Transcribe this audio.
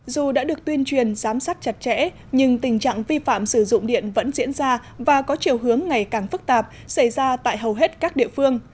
dù đã được tuyên truyền giám sát chặt chẽ nhưng tình trạng vi phạm sử dụng điện vẫn diễn ra và có chiều hướng ngày càng phức tạp xảy ra tại hầu hết các địa phương